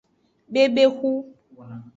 Bebexu.